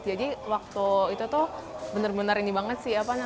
jadi waktu itu tuh benar benar ini banget